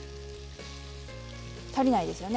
足りないですよね。